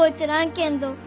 けんど